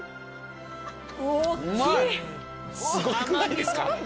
・すごくないですか？